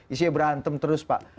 isinya berantem terus pak